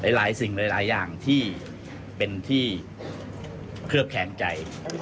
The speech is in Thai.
หลายสิ่งหลายอย่างที่เป็นที่เคลือบแคลงใจ